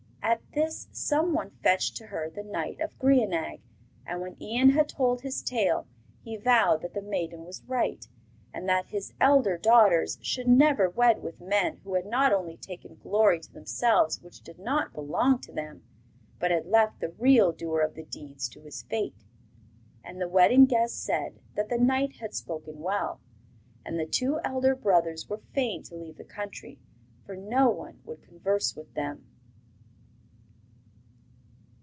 At this some one fetched to her the knight of Grianaig, and when Ian had told his tale, he vowed that the maiden was right, and that his elder daughters should never wed with men who had not only taken glory to themselves which did not belong to them, but had left the real doer of the deeds to his fate. And the wedding guests said that the knight had spoken well; and the two elder brothers were fain to leave the country, for no one would converse with them.